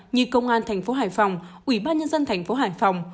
như công an thành phố hải phòng ủy ban nhân dân thành phố hải phòng